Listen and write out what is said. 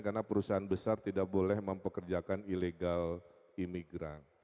karena perusahaan besar tidak boleh mempekerjakan ilegal imigran